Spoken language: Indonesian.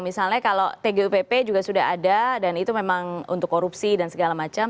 misalnya kalau tgupp juga sudah ada dan itu memang untuk korupsi dan segala macam